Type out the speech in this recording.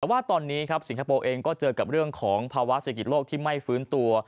แต่ว่าตอนนี้ครับสิงคโปร์เองก็เจอกับเรื่องของภาวะเศรษฐกิจโลกที่ไม่ฟื้นตัว